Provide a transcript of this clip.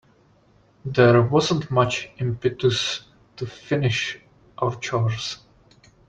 There wasn't much impetus to finish our chores.